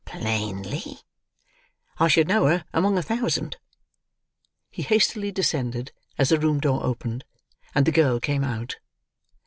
"Plainly?" "I should know her among a thousand." He hastily descended, as the room door opened, and the girl came out.